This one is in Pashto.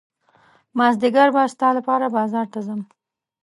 مازدیګر به ستا لپاره بازار ته ځم.